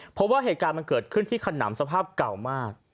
เพราะว่าเหตุการณ์มันเกิดขึ้นที่ขนำสภาพเก่ามาก